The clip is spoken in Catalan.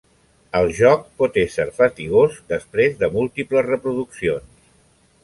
El joc pot esser fatigós després de múltiples reproduccions.